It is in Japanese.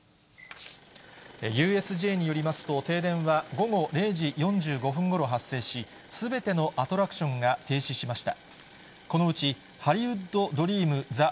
ＵＳＪによりますと、停電は午後０時４５分ごろ発生し、すべてのアトラクションが停止しました。